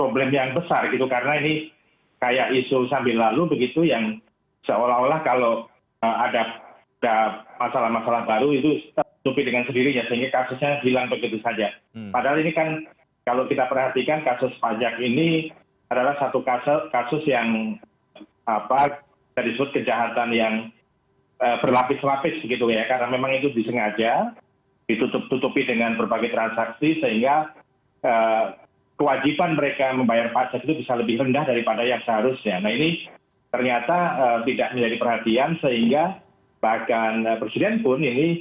bahkan presiden pun ini